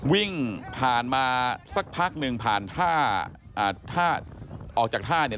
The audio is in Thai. วิ่งผ่านมาสักพักหนึ่งผ่านท่าอ่าถ้าออกจากท่าเนี่ย